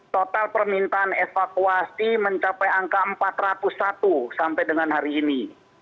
total permintaan evakuasi mencapai angka empat ratus satu sampai dengan hari ini